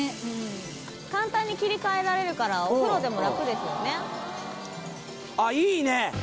簡単に切り替えられるからお風呂でも楽ですよねあっいいね！